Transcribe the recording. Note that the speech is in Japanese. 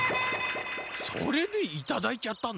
それでいただいちゃったの？